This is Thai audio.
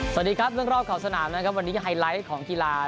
สวัสดีครับเรื่องรอบขอบสนามนะครับวันนี้ไฮไลท์ของกีฬา